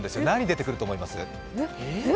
何出てくると思います？